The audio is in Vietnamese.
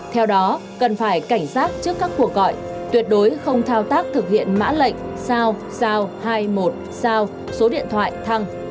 tranh nhau giờ này là tranh nhau ra